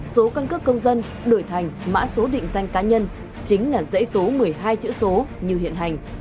số căn cước công dân đổi thành mã số định danh cá nhân chính là giấy số một mươi hai chữ số như hiện hành